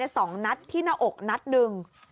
สองนัดที่หน้าอกนัดหนึ่ง